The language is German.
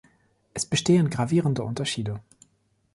Es bestehen gravierende Unterschiede.